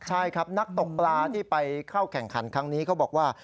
ใช่ครับนักตกปลาที่ไปเข้าแข่งขันครั้งนี้เขาบอกว่า